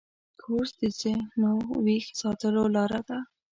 کورس د ذهنو ویښ ساتلو لاره ده.